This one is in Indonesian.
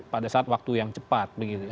pada saat waktu yang cepat